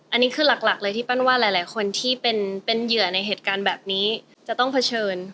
อันนี้คือหลักเลยที่ปั้นว่าหลายคนที่เป็นเหยื่อในเหตุการณ์แบบนี้จะต้องเผชิญ